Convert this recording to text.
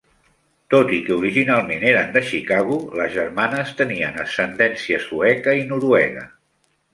Tot i que originalment eren de Chicago, les germanes tenien ascendència sueca i noruega.